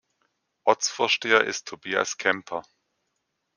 Ortsvorsteher ist Tobias Kemper.